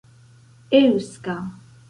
eŭska